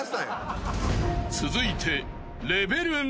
［続いて］